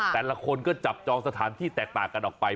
แต่ละคนก็จับจองสถานที่แตกต่างกันออกไป